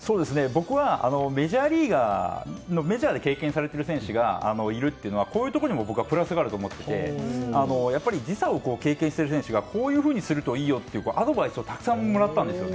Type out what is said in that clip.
僕は、メジャーリーガーメジャーで経験されている選手がいるっていうのはこういうところにもプラスがあると思っていて時差を経験している選手がこういうふうにするといいよというアドバイスをたくさんもらったんですよ。